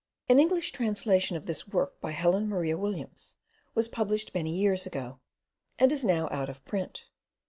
An English translation of this work by Helen Maria Williams, was published many years ago, and is now out of print.